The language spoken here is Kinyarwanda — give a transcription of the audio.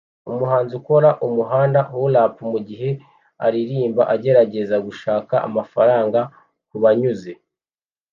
Umuhanzi ukora umuhanda hula-hop mugihe aririmba agerageza gushaka amafaranga kubanyuze